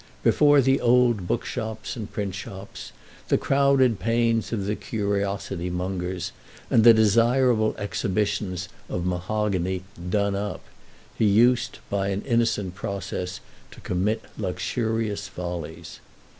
Before the old bookshops and printshops, the crowded panes of the curiosity mongers and the desirable exhibitions of mahogany "done up," he used, by an innocent process, to commit luxurious follies.